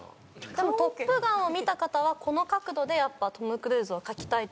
多分『トップガン』を見た方はこの角度でトム・クルーズを描きたいと思うので。